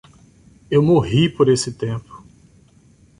Eu morri por esse tempo.